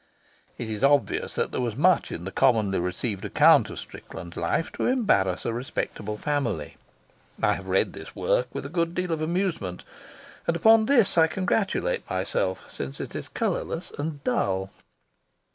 It is obvious that there was much in the commonly received account of Strickland's life to embarrass a respectable family. I have read this work with a good deal of amusement, and upon this I congratulate myself, since it is colourless and dull.